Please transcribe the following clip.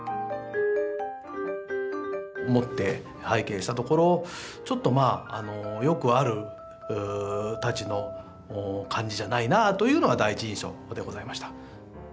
持って拝見したところちょっとまあよくある太刀の感じじゃないなというのが第一印象でございました。